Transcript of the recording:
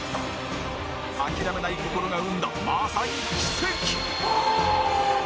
諦めない心が生んだまさに奇跡